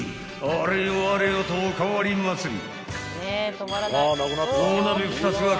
あれよあれよとおかわり祭り］